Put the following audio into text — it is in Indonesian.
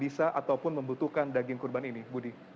bisa ataupun membutuhkan daging kurban ini budi